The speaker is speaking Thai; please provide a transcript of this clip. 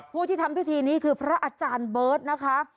ผู้ที่ทำพิธีนี้คือพระอาจารย์เบิร์ตนะคะ